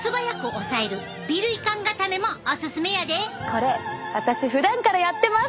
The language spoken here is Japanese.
これ私ふだんからやってます！